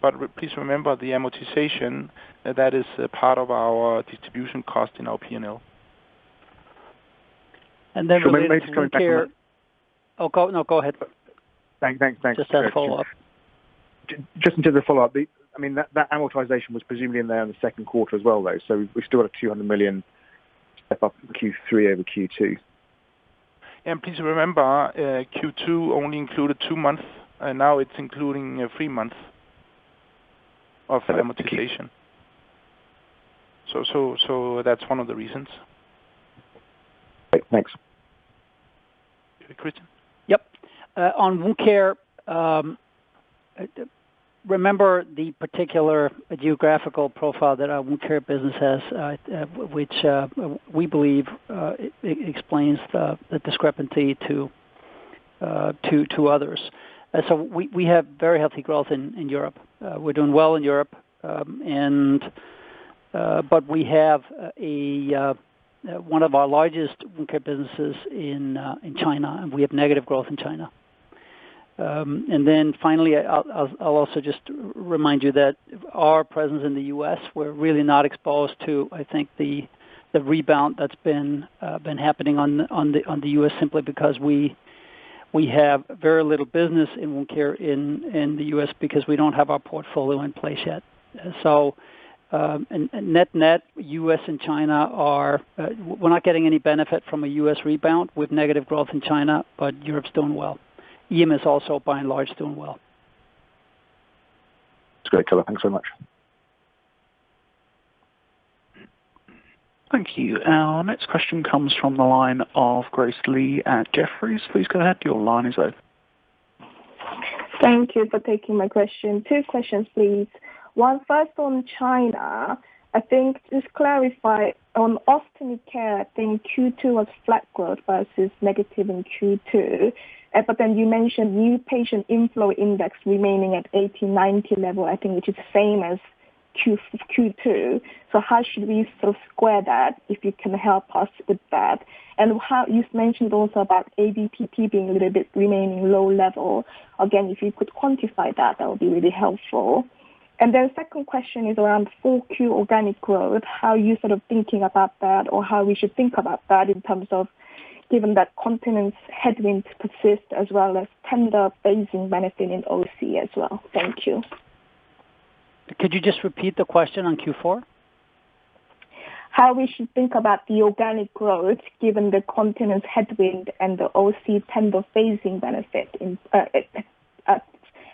but please remember the amortization, that is a part of our distribution cost in our P&L. And then- Maybe just going back to my Go ahead. Thanks. Just a follow-up. Just into the follow-up. I mean, that amortization was presumably in there in the second quarter as well, though. We still have 200 million step up from Q3 over Q2. Please remember, Q2 only included two months, and now it's including three months of amortization. So that's one of the reasons. Thanks. Christian? Yep. On wound care, remember the particular geographical profile that our wound care business has, which we believe explains the discrepancy to others. We have very healthy growth in Europe. We're doing well in Europe, but we have one of our largest wound care businesses in China, and we have negative growth in China. Finally, I'll also just remind you that our presence in the U.S. We're really not exposed to, I think, the rebound that's been happening in the U.S. simply because we have very little business in wound care in the U.S. because we don't have our portfolio in place yet. Net-net, we're not getting any benefit from a US rebound with negative growth in China, but Europe's doing well. EM is also by and large doing well. That's great, cover. Thanks so much. Thank you. Our next question comes from the line of Grace Lee at Jefferies. Please go ahead. Your line is open. Thank you for taking my question. Two questions, please. One, first on China. I think just clarify on Ostomy Care, I think Q2 was flat growth versus negative in Q2. Then you mentioned new patient inflow index remaining at 80-90 level, I think, which is same as Q1-Q2. How should we sort of square that, if you can help us with that? How you've mentioned also about ARPU being a little bit remaining low level. Again, if you could quantify that would be really helpful. Second question is around full-year organic growth. How are you sort of thinking about that, or how we should think about that in terms of given that continence headwinds persist as well as tender phasing benefit in OC as well? Thank you. Could you just repeat the question on Q4? How should we think about the organic growth given the continence headwind and the OC tender phasing benefit,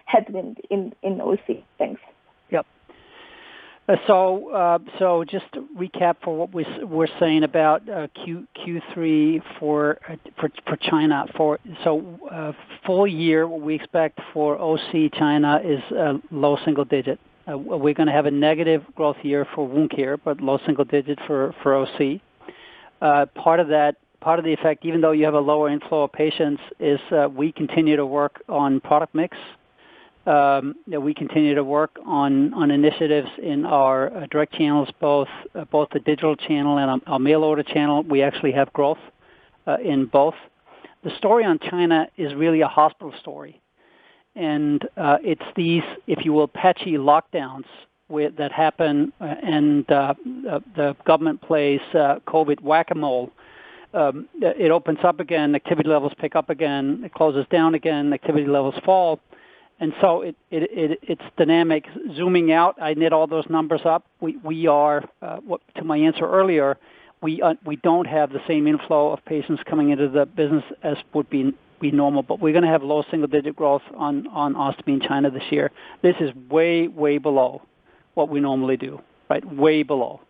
headwind in OC? Thanks. Just to recap for what we're saying about Q3 for China. full-year, what we expect for OC China is low single-digit. We're gonna have a negative growth year for wound care, but low single-digit for OC. Part of that, part of the effect, even though you have a lower inflow of patients, is we continue to work on product mix. We continue to work on initiatives in our direct channels, both the digital channel and our mail order channel, we actually have growth in both. The story on China is really a hospital story. It's these, if you will, patchy lockdowns that happen and the government plays COVID Whac-A-Mole. It opens up again, activity levels pick up again. It closes down again, activity levels fall. It's dynamic. Zooming out, I net all those numbers up. To my answer earlier, we don't have the same inflow of patients coming into the business as would be normal. We're gonna have low single-digit growth on ostomy in China this year. This is way below what we normally do, right? Way below.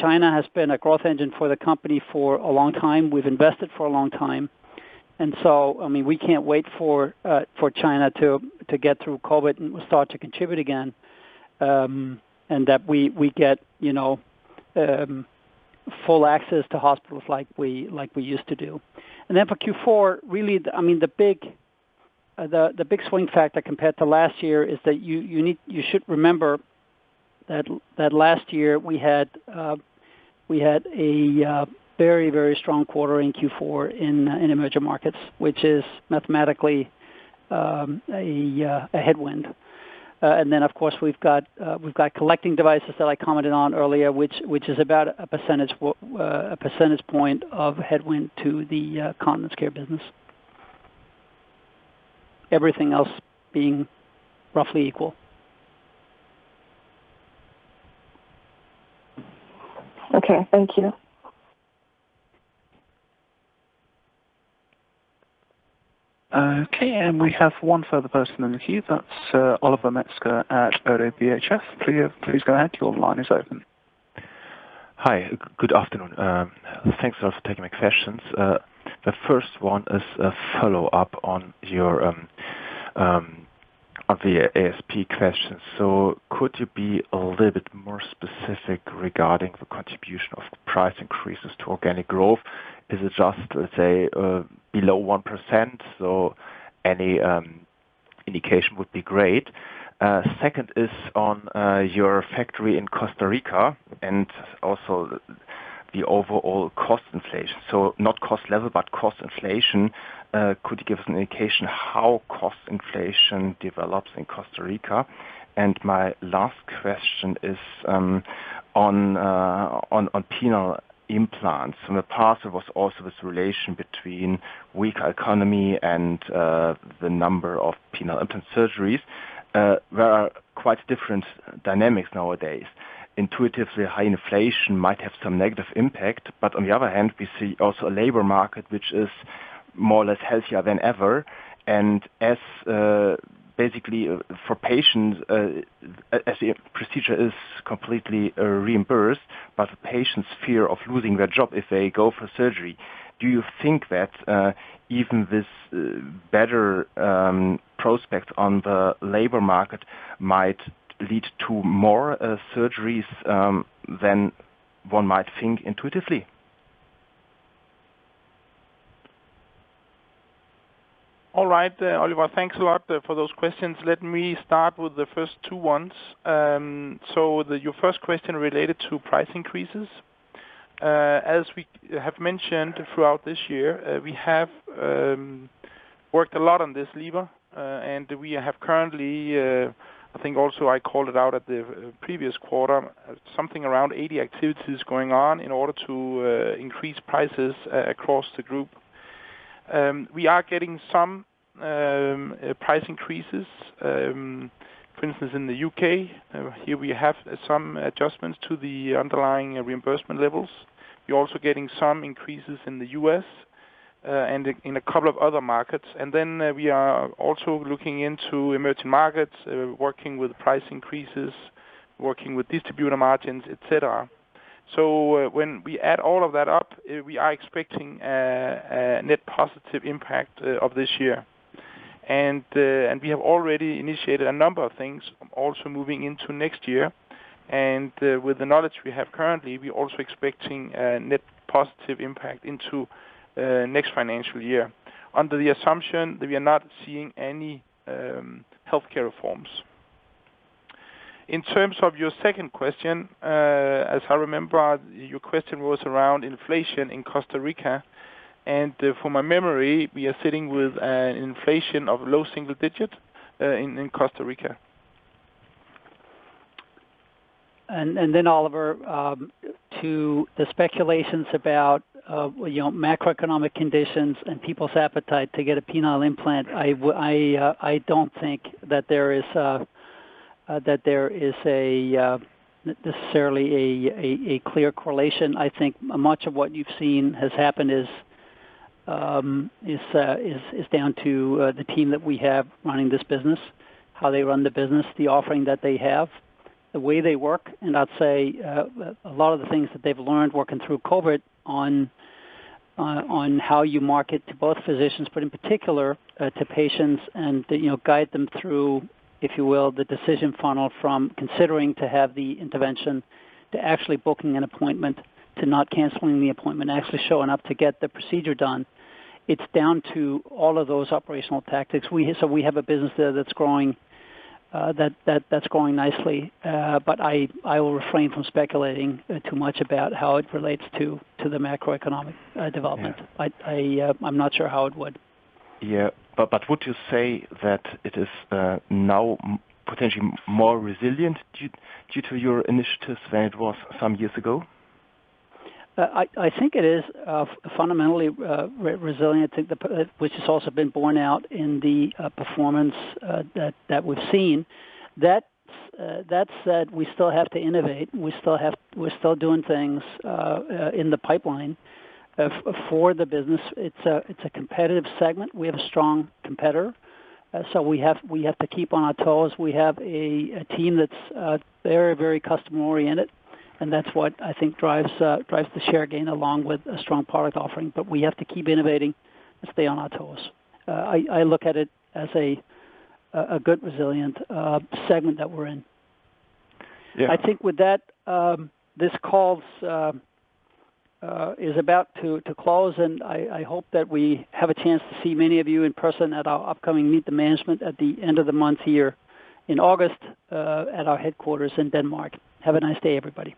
China has been a growth engine for the company for a long time. We've invested for a long time. I mean, we can't wait for China to get through COVID and start to contribute again, and that we get, you know, full access to hospitals like we used to do. For Q4, really, I mean, the big swing factor compared to last year is that you should remember that last year we had a very strong quarter in Q4 in emerging markets, which is mathematically a headwind. Of course we've got collecting devices that I commented on earlier, which is about a percentage point of headwind to the Continence Care business. Everything else being roughly equal. Okay, thank you. Okay, we have one further person in the queue. That's Oliver Metzger at ODDO BHF. Please go ahead. Your line is open. Hi, good afternoon. Thanks for taking my questions. The first one is a follow-up on the ASP question. Could you be a little bit more specific regarding the contribution of price increases to organic growth? Is it just, let's say, below 1%? Any indication would be great. Second is on your factory in Costa Rica and also the overall cost inflation. Not cost level, but cost inflation. Could you give us an indication how cost inflation develops in Costa Rica? My last question is on penile implants. In the past, there was also this relation between weak economy and the number of penile implant surgeries. There are quite different dynamics nowadays. Intuitively, high inflation might have some negative impact, but on the other hand, we see also a labor market which is more or less healthier than ever. As basically for patients, as the procedure is completely reimbursed, but patients' fear of losing their job if they go for surgery, do you think that even this better prospect on the labor market might lead to more surgeries than one might think intuitively? All right, Oliver, thanks a lot for those questions. Let me start with the first two ones. Your first question related to price increases. As we have mentioned throughout this year, we have worked a lot on this lever, and we have currently, I think also I called it out at the previous quarter, something around 80 activities going on in order to increase prices across the group. We are getting some price increases, for instance, in the UK. Here we have some adjustments to the underlying reimbursement levels. We're also getting some increases in the US, and in a couple of other markets. We are also looking into emerging markets, working with price increases, working with distributor margins, et cetera. When we add all of that up, we are expecting a net positive impact of this year. We have already initiated a number of things also moving into next year. With the knowledge we have currently, we're also expecting a net positive impact into next financial year, under the assumption that we are not seeing any healthcare reforms. In terms of your second question, as I remember, your question was around inflation in Costa Rica. From my memory, we are sitting with an inflation of low single digits in Costa Rica. Oliver, to the speculations about, you know, macroeconomic conditions and people's appetite to get a penile implant, I don't think that there is necessarily a clear correlation. I think much of what you've seen has happened is down to the team that we have running this business, how they run the business, the offering that they have, the way they work. I'd say a lot of the things that they've learned working through COVID on how you market to both physicians, but in particular, to patients and you know, guide them through, if you will, the decision funnel from considering to have the intervention to actually booking an appointment, to not canceling the appointment, actually showing up to get the procedure done. It's down to all of those operational tactics. We have a business there that's growing, that's growing nicely. I will refrain from speculating too much about how it relates to the macroeconomic development. Yeah. I'm not sure how it would. Would you say that it is now potentially more resilient due to your initiatives than it was some years ago? I think it is fundamentally resilient, which has also been borne out in the performance that we've seen. That said, we still have to innovate and we're still doing things in the pipeline for the business. It's a competitive segment. We have a strong competitor. We have to keep on our toes. We have a team that's very customer oriented, and that's what I think drives the share gain along with a strong product offering. We have to keep innovating and stay on our toes. I look at it as a good resilient segment that we're in. Yeah. I think with that, this call is about to close, and I hope that we have a chance to see many of you in person at our upcoming Meet the Management at the end of the month here in August, at our headquarters in Denmark. Have a nice day, everybody.